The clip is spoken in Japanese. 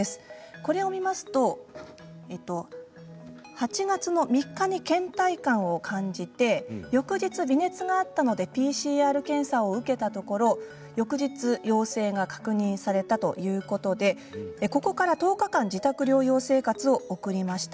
これを見ますと８月の３日にけん怠感を感じて翌日、微熱があったのでＰＣＲ検査を受けたところ翌日、陽性が確認されたということでここから１０日間自宅療養生活を送りました。